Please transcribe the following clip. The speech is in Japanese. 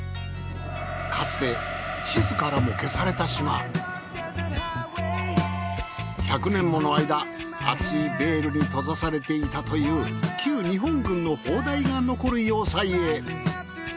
かつて１００年もの間厚いベールに閉ざされていたという旧日本軍の砲台が残る要塞へ。